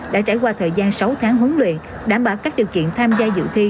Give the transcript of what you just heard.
đã trải qua thời gian sáu tháng huấn luyện đảm bảo các điều kiện tham gia dự thi